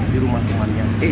di rumah temannya e